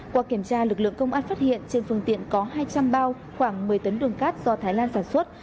qua kiểm tra lực lượng công an phát hiện trên phương tiện có hai trăm linh bao khoảng một mươi tấn đường cát do thái lan sản xuất